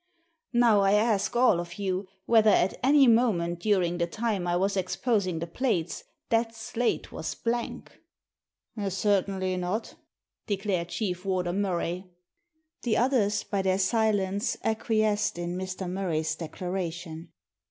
Now, I ask all of you, whether at any moment during the time I was exposing the plates that slate was blank," Certainly not," declared Chief Warder Murray. The others, by their silence, acquiesced in Mr. Murray's declaration.